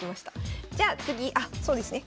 じゃあ次あそうですね